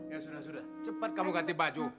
ya sudah sudah cepat kamu ganti baju